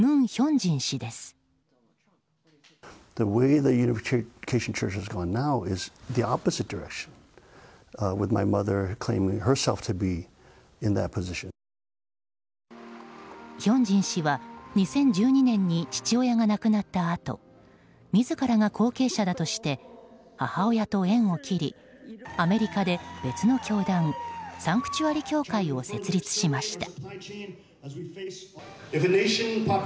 ヒョンジン氏は２０１２年に父親が亡くなったあと自らが後継者だとして母親と縁を切りアメリカで別の教団サンクチュアリ教会を設立しました。